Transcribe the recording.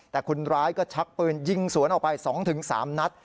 แต่คนร้ายก็ชักปืนยิงสวนออกไป๒๓นัด